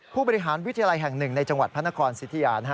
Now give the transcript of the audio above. ผู้บริหารวิทยาลัยแห่งหนึ่งในจังหวัดพระนครสิทธิยา